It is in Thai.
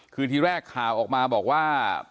คือทีแรกข่าวออกมาบอกว่า